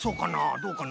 どうかな？